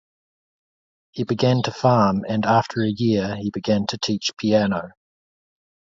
He began to farm and after a year, he began to teach piano.